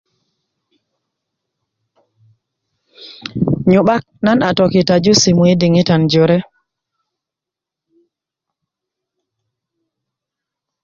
nyu'bak nan a tokitaju simu yi diŋitan jore